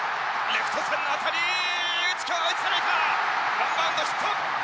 ワンバウンドヒット！